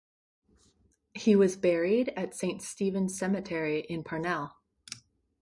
He was buried at Saint Stephen's Cemetery in Parnell.